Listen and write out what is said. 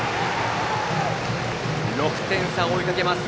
６点差を追いかけます。